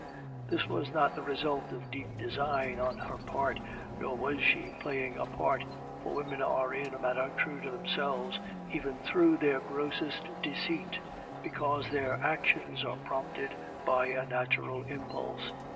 This was not the result of deep design on her part, nor was she playing a part, for women are in a manner true to themselves even through their grossest deceit, because their actions are prompted by a natural impulse.